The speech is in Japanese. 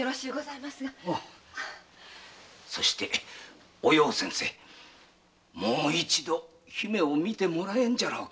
そしてお葉先生もぅ一度姫を診てもらえぬじゃろうか。